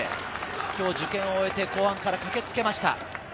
今日受験を終えて後半から駆けつけました。